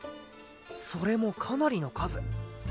それもかなりの数。